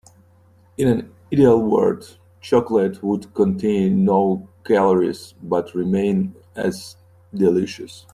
In an ideal world, chocolate would contain no calories but remain as delicious.